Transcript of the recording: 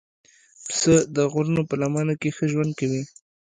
پسه د غرونو په لمنو کې ښه ژوند کوي.